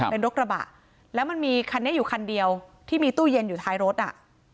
เป็นรถกระบะแล้วมันมีคันนี้อยู่คันเดียวที่มีตู้เย็นอยู่ท้ายรถอ่ะ